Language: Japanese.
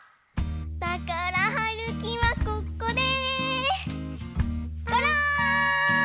だからはるきはここでゴローン！